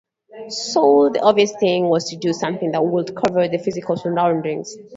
So the obvious thing was to do something that would cover the physical surroundings.